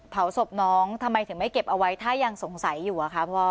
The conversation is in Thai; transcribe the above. เผาศพน้องทำไมถึงไม่เก็บเอาไว้ถ้ายังสงสัยอยู่อะคะพ่อ